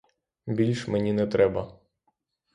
Більш мені не треба.